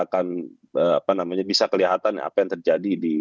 dan kelihatannya nanti juga akan apa namanya bisa kelihatan apa yang terjadi di